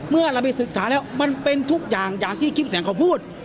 เมื่อเราไปศึกษาแล้วมันเป็นทุกอย่างอย่างที่คลิปแสงเขาพูด